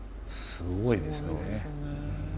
すごいですね。